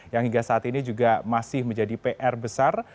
yang hingga saat ini juga masih menjadi pr besar